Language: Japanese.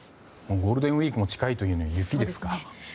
ゴールデンウィークも近いというのに雪ですか。